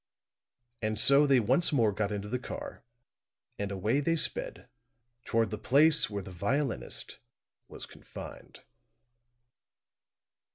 And so they once more got into the car; and away they sped toward the place where the violinist was confined.